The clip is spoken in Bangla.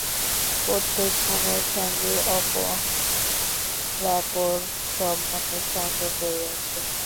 প্রত্যেক মনের সঙ্গেই অপরাপর সব মনের সংযোগ রহিয়াছে।